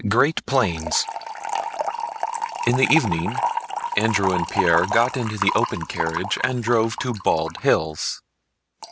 CHAPTER XII In the evening Andrew and Pierre got into the open carriage and drove to Bald Hills.